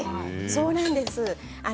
そうなんです。